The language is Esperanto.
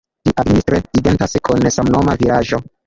Ĝi administre identas kun samnoma vilaĝo.